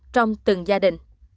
trong từng gia đình